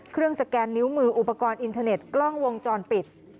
สแกนนิ้วมืออุปกรณ์อินเทอร์เน็ตกล้องวงจรปิด